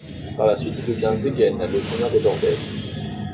Par la suite, il devient Zegen, le seigneur des bordels.